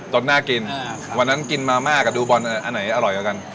น่ากินวันนั้นกินมาม่ากับดูบอลอันไหนอร่อยกว่ากัน